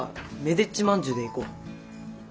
でっちまんじゅうでいこう。